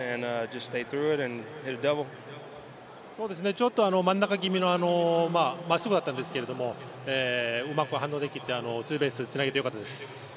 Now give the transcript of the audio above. ちょっと真ん中気味の真っすぐだったんですけど、うまく反応できて、ツーベースに繋げてよかったです。